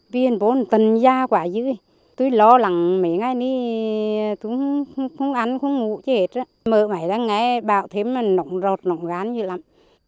viên bốn tần da quả dữ tôi lo lắng mấy ngày này tôi không ăn không ngủ chứ hết mở ngoài ra nghe bạo thế mà nổng rọt nổng gán như lắm